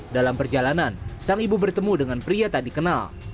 dalam perjalanan sang ibu bertemu dengan pria tadi kenal